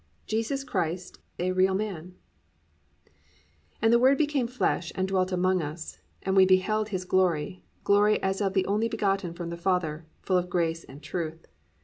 V JESUS CHRIST A REAL MAN "And the word became flesh, and dwelt among us (and we beheld his glory, glory as of the only begotten from the Father), full of grace and truth."